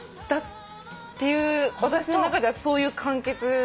だっていう私の中ではそういう完結。